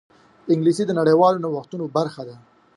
انګلیسي د نړیوالو نوښتونو برخه ده